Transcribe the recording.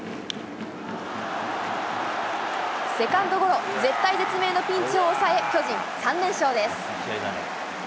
セカンドゴロ、絶体絶命のピンチを抑え、巨人、３連勝です。